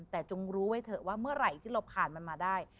แต่จงรู้ไว้เถอะว่าเมื่อไหร่ที่เราผ่านมันมาได้